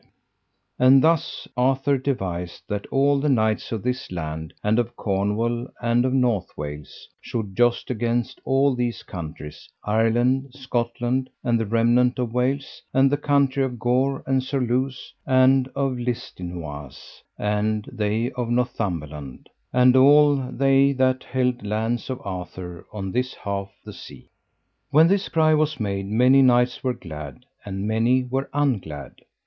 And thus Arthur devised, that all the knights of this land, and of Cornwall, and of North Wales, should joust against all these countries, Ireland, Scotland, and the remnant of Wales, and the country of Gore, and Surluse, and of Listinoise, and they of Northumberland, and all they that held lands of Arthur on this half the sea. When this cry was made many knights were glad and many were unglad.